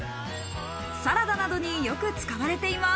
サラダなどによく使われています。